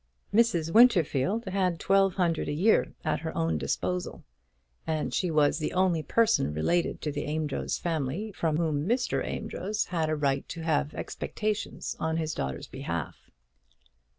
Mrs. Winterfield had twelve hundred a year at her own disposal, and she was the only person related to the Amedroz family from whom Mr. Amedroz had a right to have expectations on his daughter's behalf.